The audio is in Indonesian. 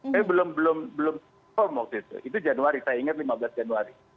tapi belum belum belum itu januari saya ingat lima belas januari